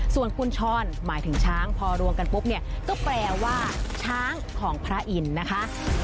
ส่วนกุญชรหมายถึงช้างพอรวมกันปุ๊บเนี่ยก็แปลว่าช้างของพระอินทร์นะคะ